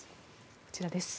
こちらです。